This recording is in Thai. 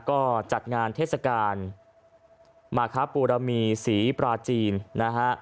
ก็จัดงานเทศกาลมาครับปูรมีศรีปราจีนนะฮะ